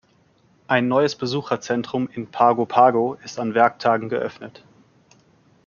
Ein neues Besucherzentrum in Pago Pago ist an Werktagen geöffnet.